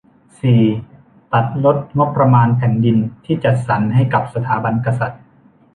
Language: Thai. สี่ ตัดลดงบประมาณแผ่นดินที่จัดสรรให้กับสถาบันกษัตริย์